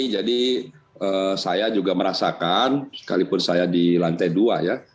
jadi saya juga merasakan sekalipun saya di lantai dua ya